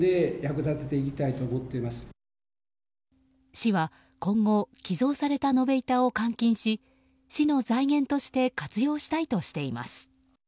市は今後寄贈された延べ板を換金し市の財源として活用したいとしています。